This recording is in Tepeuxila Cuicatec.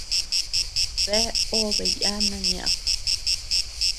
Bea obe yana ñeʼed.